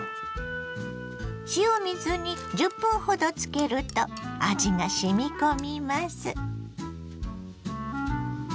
塩水に１０分ほどつけると味がしみ込みます。